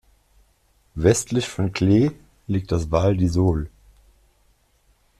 Westlich von Cles liegt das Val di Sole.